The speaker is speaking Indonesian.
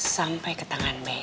sampai ke tangan reva